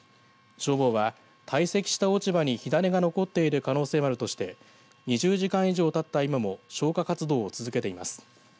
消防は堆積した落ち葉に火種が残っている可能性もあるとして２０時間以上たった今も消火活動を続けています。